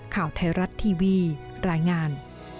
ข่าวไทยรัฐทีวีรายงาน